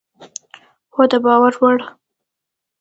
هو، د باور وړ